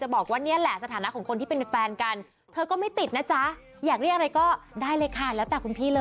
หนูยังไม่เคยโกหกนะพี่